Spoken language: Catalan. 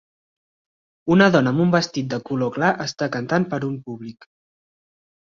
Una dona amb un vestit de color clar està cantant per un públic.